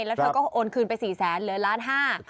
แล้วเธอก็โอนคืนไปสี่แสนเหลือล้านห้า